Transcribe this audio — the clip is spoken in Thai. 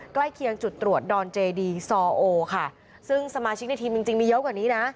ใกล้เคียงจุดตรวจดอนเจดีซอโอค่ะซึ่งสมาชิกในทีมจริงจริงมีเยอะกว่านี้นะ